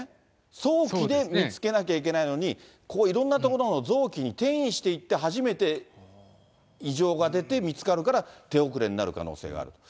早期で見つけなきゃいけないのに、いろんな所の臓器に転移していって初めて異常が出て見つかるから、手遅れになる可能性がある。